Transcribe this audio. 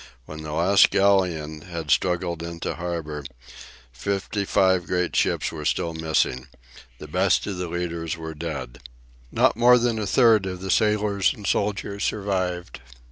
When the last galleon had struggled into harbour, fifty five great ships were still missing. The best of the leaders were dead. Not more than a third of the sailors and soldiers survived.